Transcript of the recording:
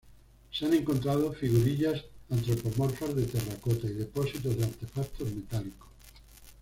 Se han encontrado figurillas antropomorfas de terracota y depósitos de artefactos metálicos.